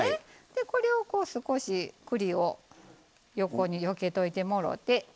これを少し栗を横によけといてもろて。